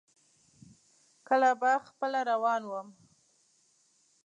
کله به خپله روان ووم.